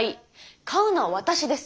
買うのは私です。